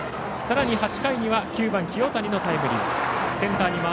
さらに８回には９番、清谷のタイムリー。